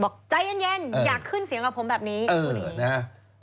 บอกใจเย็นอยากขึ้นเสียงกับผมแบบนี้